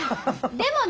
でもね！